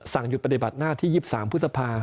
หยุดปฏิบัติหน้าที่๒๓พฤษภา